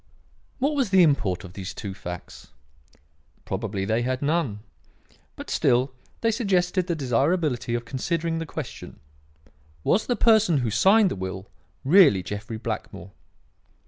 "What was the import of these two facts? Probably they had none. But still they suggested the desirability of considering the question: Was the person who signed the will really Jeffrey Blackmore?